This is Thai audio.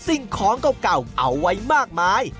สิ่งของเก่าเอาไว้มากมาย